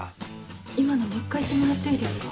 今のもう一回言ってもらっていいですか？